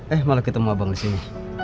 eh malah ketemu abang disini